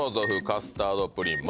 カスタードプリン。